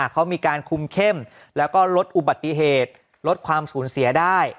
เขามีการคุมเข้มแล้วก็ลดอุบัติเหตุลดความสูญเสียได้